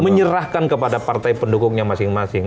menyerahkan kepada partai pendukungnya masing masing